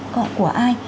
câu hỏi của ai